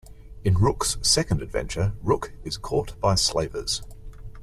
In Rook's second adventure, Rook is caught by slavers.